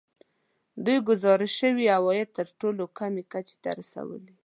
دوی ګزارش شوي عواید تر ټولو کمې کچې ته رسولي